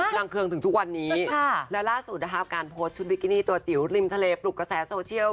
นางเครื่องถึงทุกวันนี้และล่าสุดนะคะการโพสต์ชุดบิกินี่ตัวจิ๋วริมทะเลปลุกกระแสโซเชียล